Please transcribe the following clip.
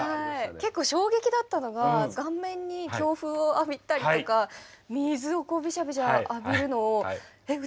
結構衝撃だったのが顔面に強風を浴びたりとか水をこうびしゃびしゃ浴びるのをえっ？